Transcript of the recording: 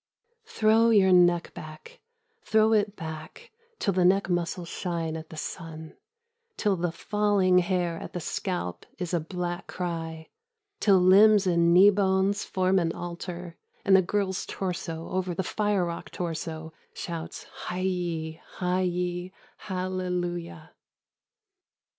Throw your neck back, throw it back till the neck muscles shine at the sun, till the falling hair at the scalp is a black cry, till limbs and knee bones form an altar, and a girl's torso over the fire rock torso shouts hi yi, hi yee, hallelujah.